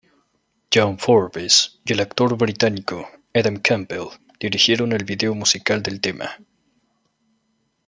Josh Forbes y el actor británico Adam Campbell dirigieron el vídeo musical del tema.